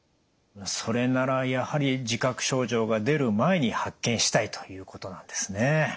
それならやはり自覚症状が出る前に発見したいということなんですね。